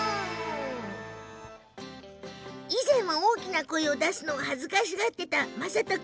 以前は大きな声を出すのを恥ずかしがっていた雅都君。